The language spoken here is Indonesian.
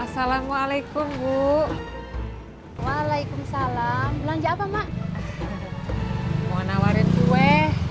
assalamualaikum bu waalaikumsalam belanja apa mak mau nawarin kue